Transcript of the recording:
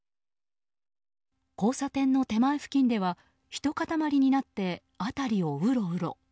交差点の手前付近ではひと塊になって辺りをうろうろ。